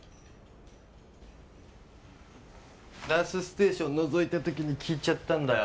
ナースステーションのぞいた時に聞いちゃったんだよ。